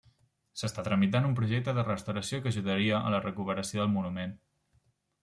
S'està tramitant un projecte de restauració que ajudaria a la recuperació del monument.